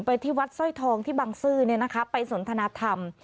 ที่วัดสร้อยทองที่บังซื้อไปสนทนาธรรม